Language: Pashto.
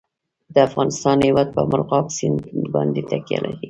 د افغانستان هیواد په مورغاب سیند باندې تکیه لري.